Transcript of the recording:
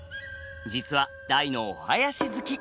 実は大のお囃子好き！